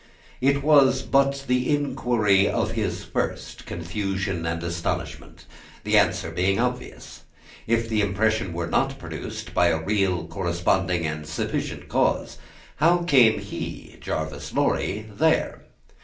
It was but the inquiry of his first confusion and astonishment, the answer being obvious. If the impression were not produced by a real corresponding and sufficient cause, how came he, Jarvis Lorry, there?